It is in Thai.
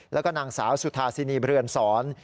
แล้วก็นางสาวสุธาสินีเบือนสอน